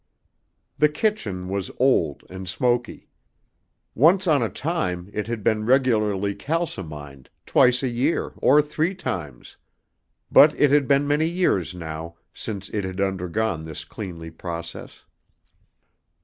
The kitchen was old and smoky. Once on a time it had been regularly calcimined, twice a year, or three times, but it had been many years now since it had undergone this cleanly process.